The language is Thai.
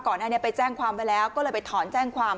อันนี้ไปแจ้งความไว้แล้วก็เลยไปถอนแจ้งความ